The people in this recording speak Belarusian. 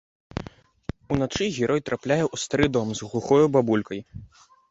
Уначы герой трапляе ў стары дом з глухою бабулькай.